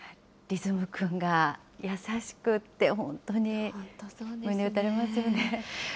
律夢君が優しくて、本当に胸打たれますよね。